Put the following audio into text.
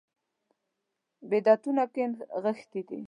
بدعتونو کې نغښې ده.